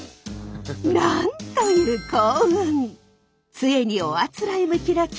なんという幸運！